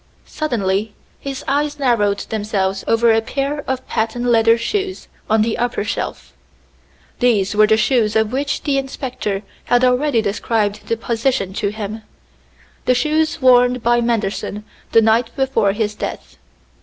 Suddenly his eyes narrowed themselves over a pair of patent leather shoes on the upper shelf. These were the shoes of which the inspector had already described the position to him; the shoes worn by Manderson the night before his death.